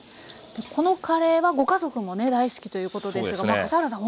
このカレーはご家族もね大好きということですが笠原さん